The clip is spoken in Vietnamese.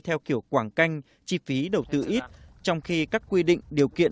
theo kiểu quảng canh chi phí đầu tư ít trong khi các quy định điều kiện